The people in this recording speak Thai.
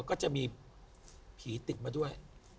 ก็จะมีผีติดมาด้วย